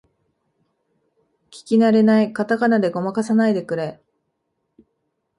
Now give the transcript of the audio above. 聞きなれないカタカナでごまかさないでくれ